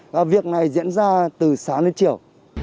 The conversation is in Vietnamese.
và việc này diễn ra từ sáng đến chiều